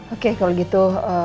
oke kalau gitu